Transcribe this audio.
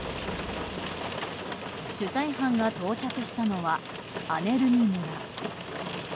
取材班が到着したのはアネルニ村。